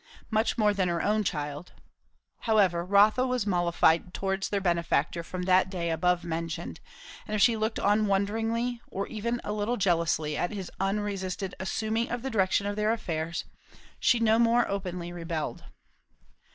Much more than her own child. However, Rotha was mollified towards their benefactor from that day above mentioned; and if she looked on wonderingly, and even a little jealously, at his unresisted assuming of the direction of their affairs, she no more openly rebelled.